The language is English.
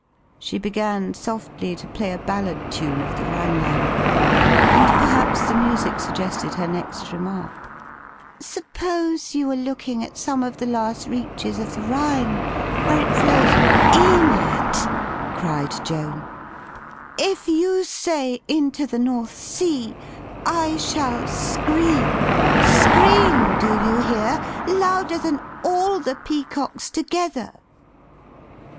She began softly to play a ballad time of the Rhineland; and perhaps the music suggested her next remark. "Suppose you were looking at some of the last reaches of the Rhine, where it flows —" "Enid!" cried Joan, "if you sa^y J^dJht North THE ENIGMAS OF LADY JOAN 311 Sea/ I shall scream. Scream, do you hear, louder than all the peacocks together."